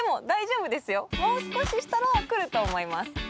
もう少ししたら来ると思います。